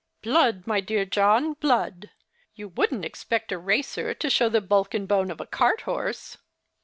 " Blood, my dear John, blood. You wouldn't expect a racer to show the bulk and bone of a carthorse."